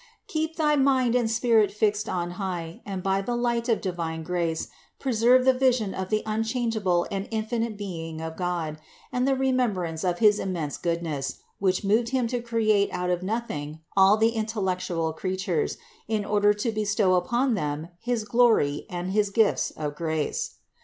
"Keep thy mind and spirit fixed on high and by the light of divine grace preserve the vision of the un changeable and infinite being of God and the remem brance of his immense goodness, which moved Him to create out of nothing all the intellectual creatures in order to bestow upon them his glory and his gifts of grace.